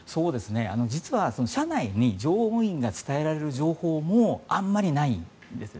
実は車内に乗務員が伝えられる情報もあまりないんですよ。